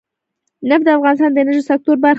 نفت د افغانستان د انرژۍ سکتور برخه ده.